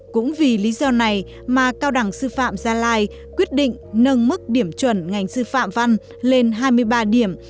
cũng vì lý do này mà cao đẳng sư phạm gia lai quyết định nâng mức điểm chuẩn ngành sư phạm văn lên hai mươi ba điểm